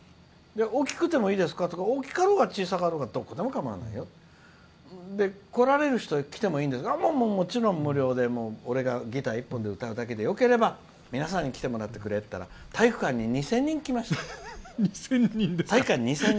大きくてもいいですか大きくても、小さくてもどこでもかまわないよ。来られる人は来てもいいけどもうもちろん無料で俺がギター、一本で歌うだけでよければ、皆さんに来てもらってくれっていって体育館に２０００人来ました。